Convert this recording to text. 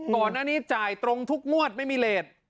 ก่อนหน้านี้จ่ายตรงทุกงวดไม่มีเลส